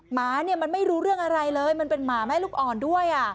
หมาเนี่ยมันไม่รู้เรื่องอะไรเลยมันเป็นหมาแม่ลูกอ่อนด้วย